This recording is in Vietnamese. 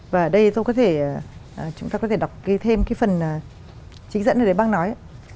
và đây chúng ta có thể đọc thêm cái phần chính dẫn này để bác nói